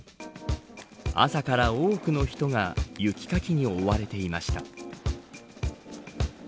朝から多くの人が雪かきに追われていました。